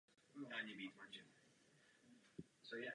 První je adresovaná panu Gauzèsovi.